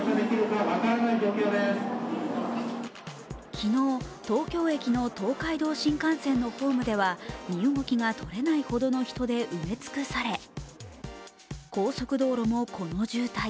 昨日、東京駅の東海道新幹線のホームでは身動きが取れないほどの人で埋め尽くされ高速道路も、この渋滞。